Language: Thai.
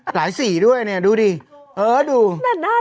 หลายสีด้วยเนี่ยดูดิ